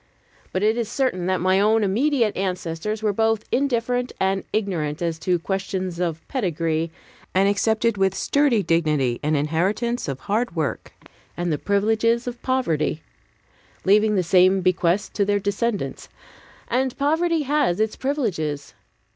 But it is certain that my own immediate ancestors were both indifferent and ignorant as to questions of pedigree, and accepted with sturdy dignity an inheritance of hard work and the privileges of poverty, leaving the same bequest to their descendants. And poverty has its privileges.